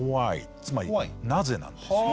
つまり「なぜ」なんですよ。